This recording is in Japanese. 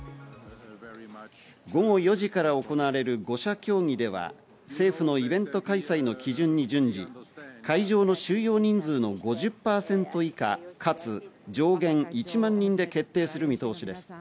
午後４時から行われる５者協議では政府のイベント開催の基準に準じ、会場の収容人数の５０％以下、かつ上限１万人で決定する見通しです。